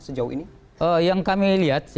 sejauh ini yang kami lihat